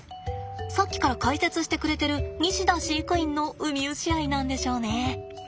さっきから解説してくれてる西田飼育員のウミウシ愛なんでしょうね。